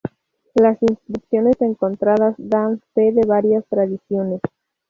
Las inscripciones encontradas dan fe de varias tradiciones.